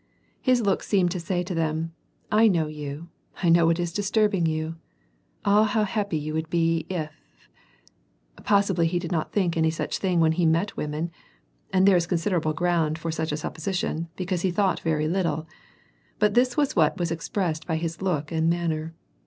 His look seemed to say to them : I know yoii, I know what is disturbing you. Ah how hapi)y you would be if "— possibly he did not think any such thing when he met women (and there is considerable ground for such a supposition, because he thought very little), but this was what was expressed by his look and m inner.